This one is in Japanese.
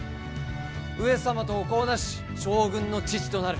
上様とお子をなし将軍の父となる。